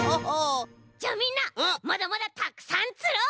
じゃあみんなまだまだたくさんつろう！